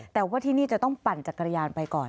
แต่ว่าที่นี่จะต้องปั่นจักรยานไปก่อน